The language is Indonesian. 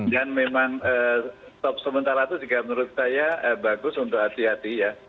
dan memang stop sementara itu juga menurut saya bagus untuk hati hati ya